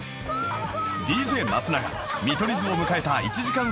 ＤＪ 松永見取り図を迎えた１時間